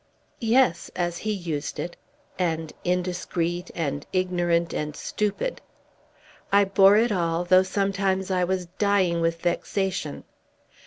"Yes; as he used it; and indiscreet, and ignorant, and stupid. I bore it all, though sometimes I was dying with vexation.